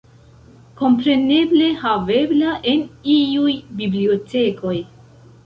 Kompreneble havebla en iuj bibliotekoj.